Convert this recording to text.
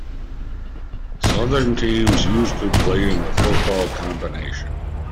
Southern teams used to play in the Football Combination.